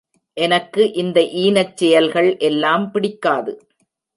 எனக்கு இந்த ஈனச் செயல்கள் எல்லாம் பிடிக்காது.